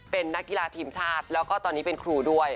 เป็นนักกีฬาทีมชาติแล้วก็ตอนนี้เป็นครูด้วย